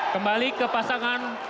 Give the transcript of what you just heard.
kembali ke pasangan